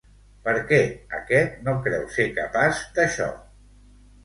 Per què aquest no creu ser capaç d'això?